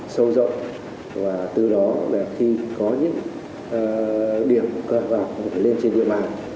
sâu rộng và từ đó là khi có những điểm cơ hội hoạt động lên trên địa bàn